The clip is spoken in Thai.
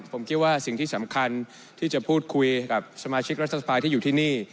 ผมคิดว่าสิ่งที่สำคัญที่จะพูดคุยกับสมาชิกรัฐสภาที่อยู่ที่นี่